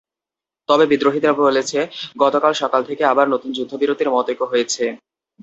তবে বিদ্রোহীরা বলেছে, গতকাল সকাল থেকে আবার নতুন যুদ্ধবিরতির মতৈক্য হয়েছে।